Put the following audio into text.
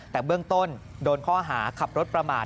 แต่เบื้องต้นโดนข้อหาขับรถประมาท